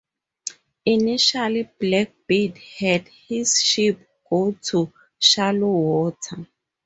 Initially Blackbeard had his ship go to shallower water.